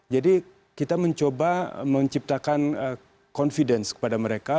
jadi kita mencoba menciptakan confidence kepada mereka